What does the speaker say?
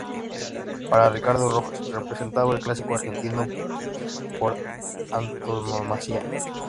Para Ricardo Rojas representaba el clásico argentino por antonomasia.